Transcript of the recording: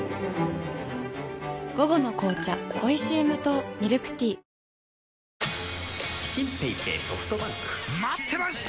午後の紅茶おいしい無糖ミルクティーチチンペイペイソフトバンク！待ってました！